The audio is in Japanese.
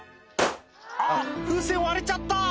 「あっ風船割れちゃった！」